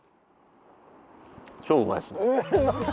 うまいっすよね。